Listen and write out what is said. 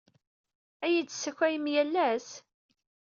Ad iyi-d-tessakayem yal ass?